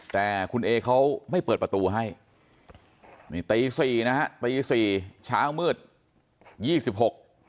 แต่คุณเอเขาไม่เปิดประตูให้นี่ตีสี่นะฮะตีสี่เช้ามืดยี่สิบหก